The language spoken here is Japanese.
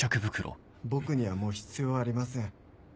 僕にはもう必要ありません。